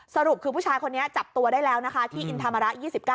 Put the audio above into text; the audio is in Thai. สรุปคือผู้ชายคนนี้จับตัวได้แล้วนะคะที่อินธรรมระ๒๙